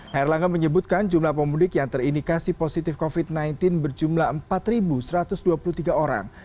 herlangga menyebutkan jumlah pemudik yang terindikasi positif covid sembilan belas berjumlah empat satu ratus dua puluh tiga orang